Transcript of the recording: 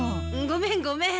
ごめんごめん。